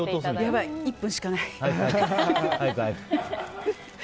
やばい１分しかない。